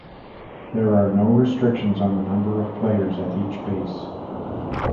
There are no restrictions on the number of players at each base.